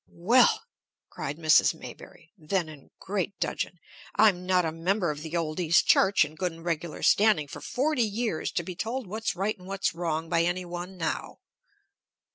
"Well!" cried Mrs. Maybury, then in great dudgeon. "I'm not a member of the old East Church in good and regular standing for forty years to be told what's right and what's wrong by any one now!"